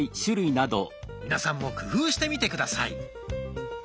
皆さんも工夫してみて下さい。